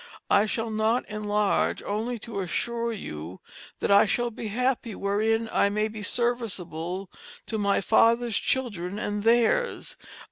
I shall not Enlarge only to assure you that I shall be happie wherein I may be serviceable to my father's Children and theirs.